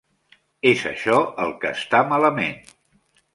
És això el que està malament.